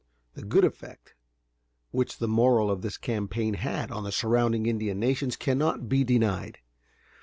The good effect which the moral of this campaign had on the surrounding Indian nations cannot be denied.